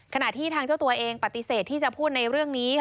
ขณะที่ทางเจ้าตัวเองปฏิเสธที่จะพูดในเรื่องนี้